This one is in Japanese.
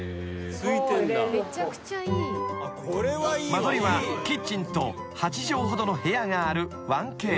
［間取りはキッチンと８畳ほどの部屋がある１Ｋ］